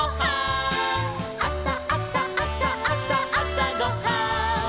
「あさあさあさあさあさごはん」